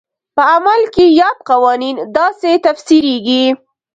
په عمل کې یاد قوانین داسې تفسیرېږي.